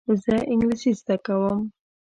زه انګلیسي زده کوم.